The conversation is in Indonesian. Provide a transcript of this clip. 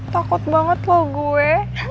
takut banget lo gue